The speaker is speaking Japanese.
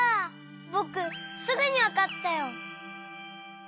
ぼくすぐにわかったよ！